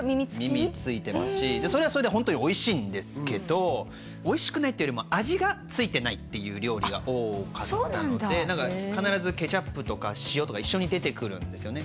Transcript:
耳ついてますしそれはそれでホントにおいしいんですけどおいしくないっていうよりも味がついてないっていう料理が多かったので必ずケチャップとか塩とか一緒に出てくるんですよね